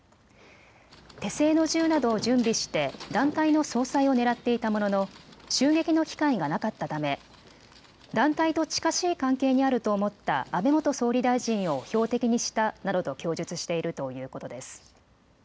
手製の銃などを準備して団体の総裁を狙っていたものの襲撃の機会がなかったため団体と近しい関係にあると思った安倍元総理大臣を標的にしたなどと供述しているということです。